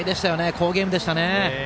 好ゲームでしたね。